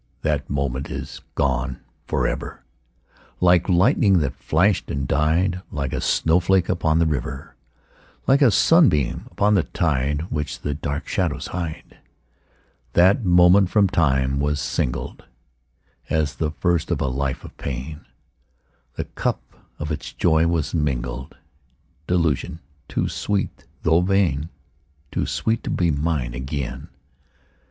_5 2. That moment is gone for ever, Like lightning that flashed and died Like a snowflake upon the river Like a sunbeam upon the tide, Which the dark shadows hide. _10 3. That moment from time was singled As the first of a life of pain; The cup of its joy was mingled Delusion too sweet though vain! Too sweet to be mine again.